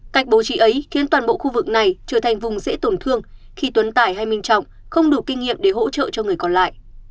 cách bố trí ấy khiến toàn bộ khu vực này trở thành vùng dễ tổn thương khi tuấn tải hay minh trọng không đủ kinh nghiệm để hỗ trợ cho người còn lại